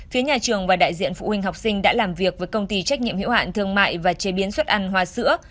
phía nhà trường và đại diện phụ huynh học sinh đã làm việc với công ty trách nhiệm hiệu hạn thương mại và chế biến xuất ăn hoa sữa